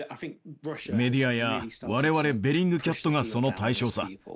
メディアやわれわれベリングキャットがその対象さ。